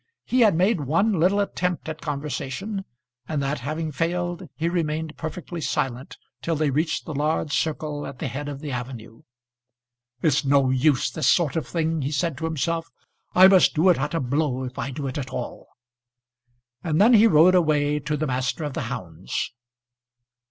He had made one little attempt at conversation, and that having failed he remained perfectly silent till they reached the large circle at the head of the avenue. "It's no use, this sort of thing," he said to himself. "I must do it at a blow, if I do it at all;" and then he rode away to the master of the hounds.